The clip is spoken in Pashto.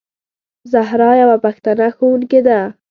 زهرا یوه پښتنه ښوونکې ده.